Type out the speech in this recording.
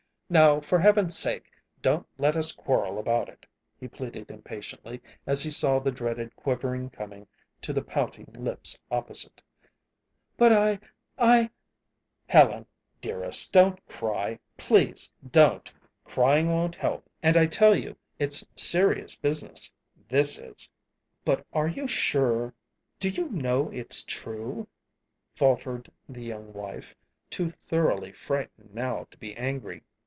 Now, for heaven's sake, don't let us quarrel about it," he pleaded impatiently, as he saw the dreaded quivering coming to the pouting lips opposite. "But I I " "Helen, dearest, don't cry, please don't! Crying won't help; and I tell you it's serious business this is." "But are you sure do you know it's true?" faltered the young wife, too thoroughly frightened now to be angry.